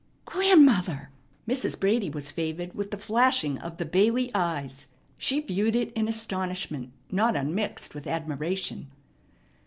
"Grandmother!" Mrs. Brady was favored with the flashing of the Bailey eyes. She viewed it in astonishment not unmixed with admiration.